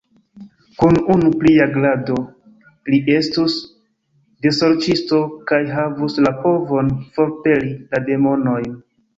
Kun unu plia grado, li estus desorĉisto kaj havus la povon forpeli la demonojn!